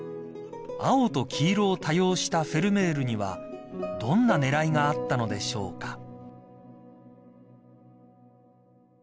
［青と黄色を多用したフェルメールにはどんな狙いがあったのでしょうか］